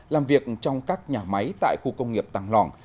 làm việc trong các nhà máy tại khu công nghiệp tăng lòng